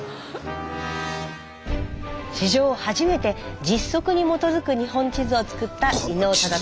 史上初めて実測に基づく日本地図を作った伊能忠敬。